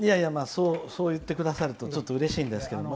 そう言ってくださるとちょっとうれしいんですけど。